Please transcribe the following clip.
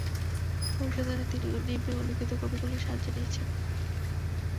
পরিশোধনে তিনি নিম্নে উল্লেখিত কপিগুলোর সাহায্য নিয়েছেন।